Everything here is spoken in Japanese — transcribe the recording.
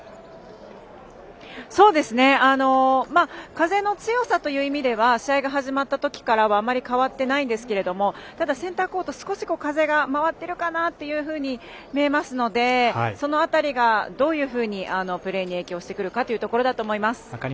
そうですね風の強さという意味では試合が始まったときからはあまり変わっていないんですがただ、センターコート少し風が回ってるかなと見えますので、その辺りがどういうふうにプレーに影響してくるかというところだと思います。